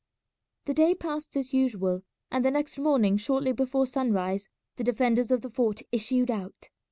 The day passed as usual, and the next morning shortly before sunrise the defenders of the fort issued out.